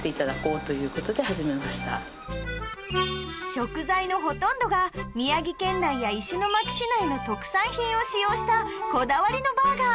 食材のほとんどが宮城県内や石巻市内の特産品を使用したこだわりのバーガー